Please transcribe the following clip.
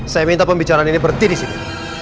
saya minta pembicaraan ini berhenti di sini